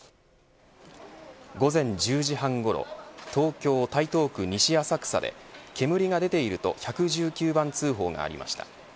午前１０時半ごろ東京、台東区西浅草で煙が出ていると１１９番通報がありました。